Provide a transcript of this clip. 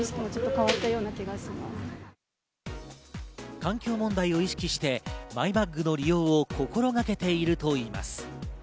環境問題を意識してマイバッグの利用を心がけているといいます。